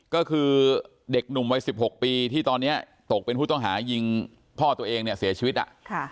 ก็คือเด็กหนุ่มวัย๑๖ปีที่ตอนนี้ตกเป็นผู้ต้องหายิงพ่อตัวเองเนี่ยเสียชีวิตอ่ะ